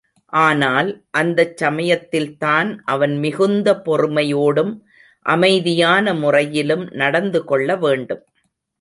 ஆனால், அந்தச் சமயத்தில்தான் அவன் மிகுந்த பொறுமையோடும், அமைதியான முறையிலும் நடந்து கொள்ள வேண்டும்.